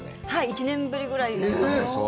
１年ぶりぐらいになります。